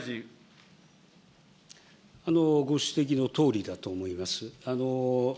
ご指摘のとおりだと思います。